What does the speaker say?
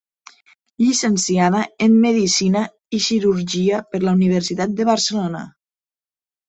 Llicenciada en medicina i cirurgia per la Universitat de Barcelona.